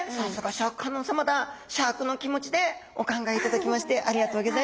シャークの気持ちでお考えいただきましてありがとうギョざいます。